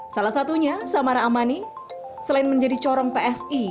salah satunya samara amani selain menjadi corong psi